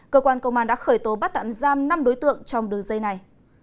cơ quan công an đã khởi tố bắt tạm giam năm đối tượng trong đường dây này